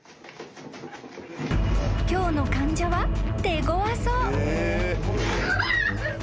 ［今日の患者は手ごわそう］